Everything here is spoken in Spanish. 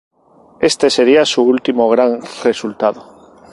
Este sería su último gran resultado.